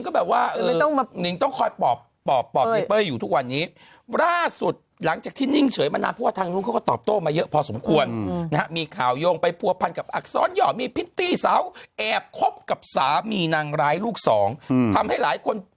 คนหนึ่งก็ไม่ใช่ยอยเขาบอกว่าจะ